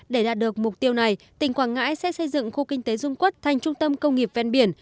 để đạt được mục tiêu này tỉnh quảng ngãi sẽ xây dựng khu kinh tế dung quốc thành trung tâm công nghiệp ven biển